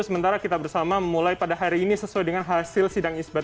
sementara kita bersama memulai pada hari ini sesuai dengan hasil sidang isbat